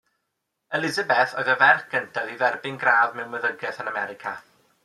Elisabeth oedd y ferch gyntaf i dderbyn gradd mewn meddygaeth yn America.